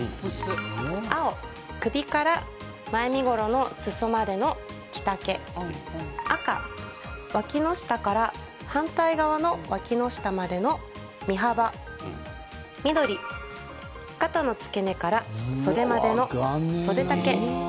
青・首から前身頃の、すそまでの着丈赤・わきの下から反対側のわきの下までの身幅緑・肩の付け根から袖までの袖丈。